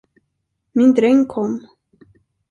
Min dräng kom.